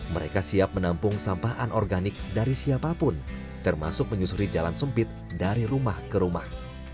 mereka siap menampung sampah anorganik dari siapapun termasuk menyusuri jalan sempit dari rumah ke rumah